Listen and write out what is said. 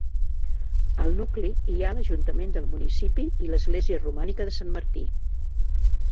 Al nucli hi ha l'ajuntament del municipi i l'església romànica de Sant Martí.